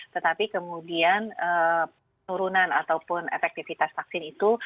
tetapi kemudian turunan ataupun efektivitas vaksin itu